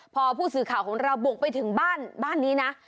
พอผู้สื่อข่าวของเราบุกไปถึงบ้านนี้นะ